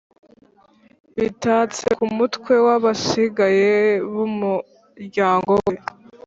bitatse ku mutwe w’abasigaye b’umuryango we.